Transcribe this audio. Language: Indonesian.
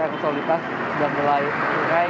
aerosolitas sudah mulai mengerai